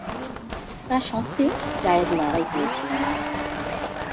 তা সত্ত্বেও জায়েদ লড়াই করেছিলেন।